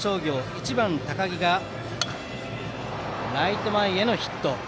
１番の高木がライト前へのヒット。